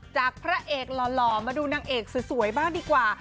พระเอกหล่อมาดูนางเอกสวยบ้างดีกว่า